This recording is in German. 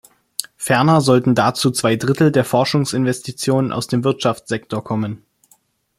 Ferner sollten dazu zwei Drittel der Forschungsinvestitionen aus dem Wirtschaftssektor kommen.